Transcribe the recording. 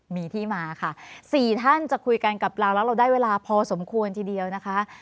มีที่มาค่ะ๔ท่านจะคุยกันกับเราแล้วเราได้เวลาพอสมควรทีเดียวนะคะ